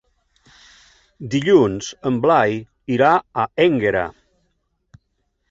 Dilluns en Blai irà a Énguera.